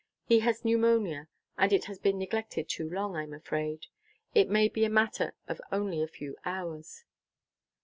He has pneumonia, and it has been neglected too long, I'm afraid. It may be a matter of only a few hours."